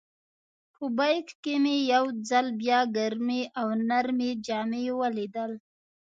په بیک کې مې یو ځل بیا ګرمې او نرۍ جامې ولیدل.